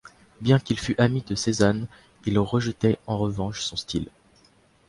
Bien qu'il fût ami de Cézanne, il rejetait en revanche son style.